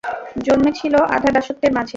জন্মেছিল আধা-দাসত্বের মাঝে।